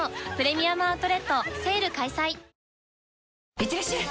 いってらっしゃい！